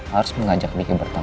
harus mengajak ricky bertemu